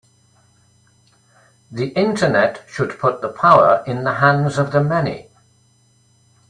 The Internet should put the power in the hands of the many